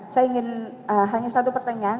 saya ingin hanya satu pertanyaan